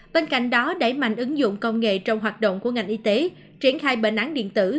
bên cạnh đó đẩy mạnh ứng dụng công nghệ trong hoạt động của ngành y tế triển khai bệnh án điện tử